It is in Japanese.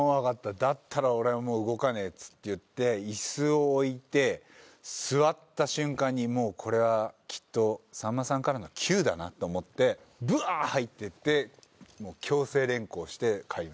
だったら俺は動かねえっていって椅子を置いて座った瞬間にこれはきっとさんまさんからのキューだなと思ってぶわ入ってって強制連行して帰りました。